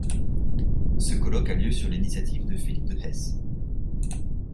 Ce colloque a lieu sur l'initiative de Philippe de Hesse.